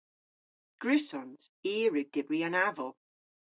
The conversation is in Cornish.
Gwrussons. I a wrug dybri an aval.